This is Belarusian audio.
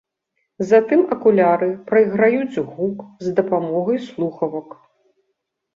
Затым акуляры прайграюць гук з дапамогай слухавак.